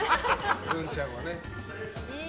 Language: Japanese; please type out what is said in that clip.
グンちゃんは。